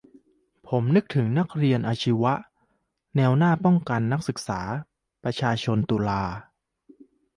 ผมนึกถึงนร.อาชีวะแนวหน้าปกป้องนศ.ประชาชนตุลา